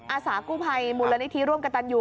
อาสากุภัยมุรณิธีร่วมกับตันยู